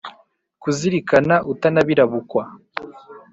zikuzirikana utanabirabukwa